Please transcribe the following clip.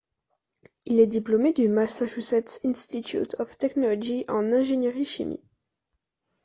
Il est diplômé du Massachusetts Institute of Technology en ingénierie chimie.